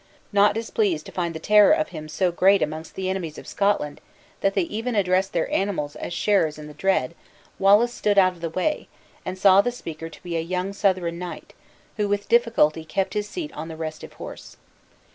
Not displeased to find the terror him so great amongst the enemies of Scotland, that they even addressed their animals as sharers in the dread, Wallace stood out of the way, and saw the speaker to be a young Southron knight, who with difficulty kept his seat on the restive horse.